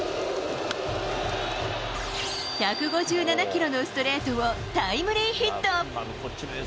１５７キロのストレートをタイムリーヒット。